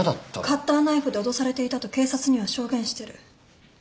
カッターナイフで脅されていたと警察には証言してる。